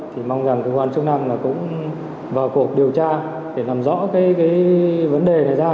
thì mong rằng cơ quan chức năng là cũng vào cuộc điều tra để làm rõ cái vấn đề này ra